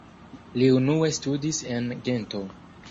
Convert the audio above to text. Li unue studis en Gento.